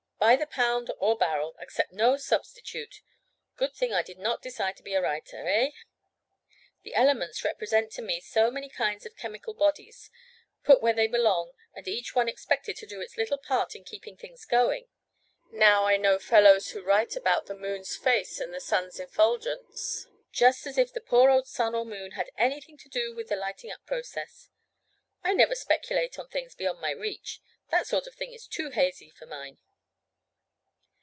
By the pound or barrel. Accept no substitute. Good thing I did not decide to be a writer, eh? The elements represent to me so many kinds of chemical bodies, put where they belong and each one expected to do its little part in keeping things going. Now, I know fellows who write about the moon's face and the sun's effulgence, just as if the poor old sun or moon had anything to do with the lighting up process. I never speculate on things beyond my reach. That sort of thing is too hazy for mine."